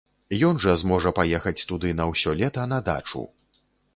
Ён жа зможа паехаць туды на ўсё лета, на дачу!